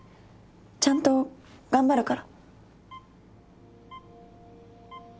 ちゃんと頑張るから。